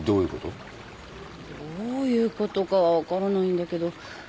どういうことかは分からないんだけど。